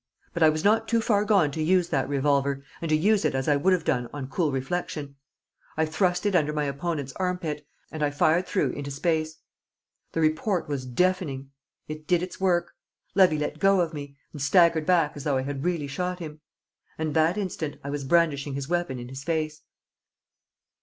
But I was not too far gone to use that revolver, and to use it as I would have done on cool reflection. I thrust it under my opponent's armpit, and I fired through into space. The report was deafening. It did its work. Levy let go of me, and staggered back as though I had really shot him. And that instant I was brandishing his weapon in his face.